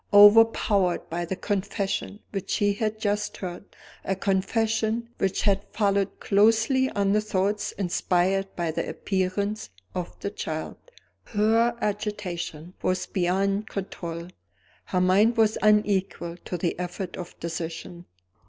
Overpowered by the confession which she had just heard a confession which had followed closely on the thoughts inspired by the appearance of the child her agitation was beyond control; her mind was unequal to the effort of decision.